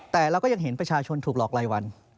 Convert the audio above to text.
แต่เราก็ยังเห็นประชาชนถูกหลอกรายวัน